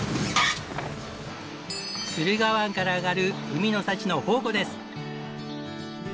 駿河湾からあがる海の幸の宝庫です。